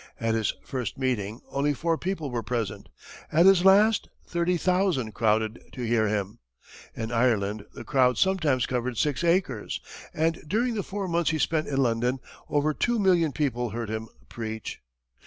At his first meeting only four people were present; at his last, thirty thousand crowded to hear him. In Ireland, the crowds sometimes covered six acres, and during the four months he spent in London, over two million people heard him preach.